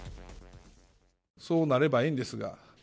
そーなれば、ええんですが！